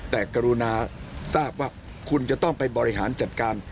แม้ว่าจะเลื่อนไปกี่วันกันกัน